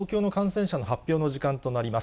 東京の感染者の発表の時間となります。